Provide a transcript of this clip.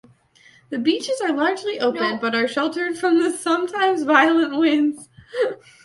The beaches are largely open but are sheltered from the sometimes violent winds.